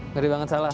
ngeri banget salah